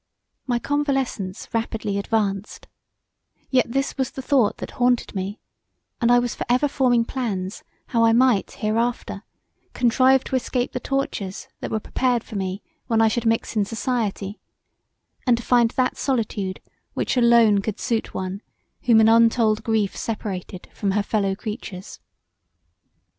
My convalescence rapidly advanced, yet this was the thought that haunted me, and I was for ever forming plans how I might hereafter contrive to escape the tortures that were prepared for me when I should mix in society, and to find that solitude which alone could suit one whom an untold grief seperated from her fellow creatures.